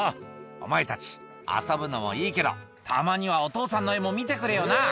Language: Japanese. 「お前たち遊ぶのもいいけどたまにはお父さんの絵も見てくれよな」